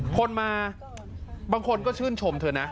คนมาบางคนก็ชื่นชมเธอนะ